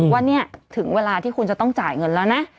ว่าเนี่ยถึงเวลาที่คุณจะต้องจ่ายเงินแล้วนะ